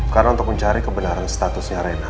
karena untuk mencari kebenaran statusnya rena